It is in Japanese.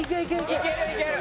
いけるいける。